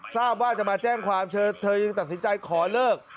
ทราบว่าจะมาแจ้งความเธอยังตัดสินใจขอเลิก